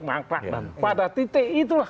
mangkrak pada titik itulah